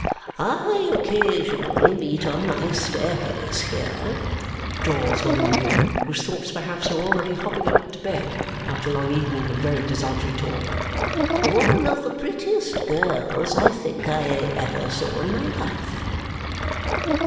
"I occasionally meet on my staircase here," drawls Volumnia, whose thoughts perhaps are already hopping up it to bed, after a long evening of very desultory talk, "one of the prettiest girls, I think, that I ever saw in my life."